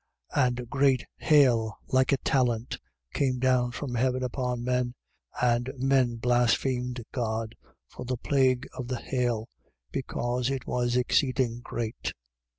16:21. And great hail, like a talent, came down from heaven upon men: and men blasphemed God, for the plague of the hail: because it was exceeding great.